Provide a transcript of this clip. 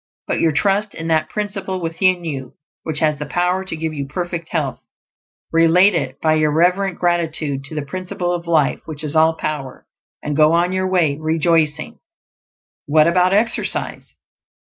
Put your trust in that Principle within you which has the power to give you perfect health; relate It by your reverent gratitude to the Principle of Life which is All Power, and go on your way rejoicing. What about exercise?